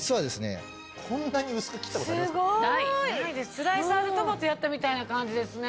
スライサーでトマトやったみたいな感じですね。